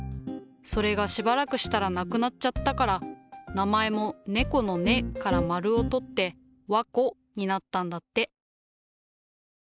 それがしばらくしたらなくなっちゃったから名前も「ねこ」の「ね」から丸を取って「わこ」になったんだって。